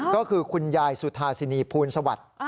ก็คือคุณยายสุธาสินีภูลสวัสดิ์